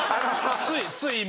ついつい今。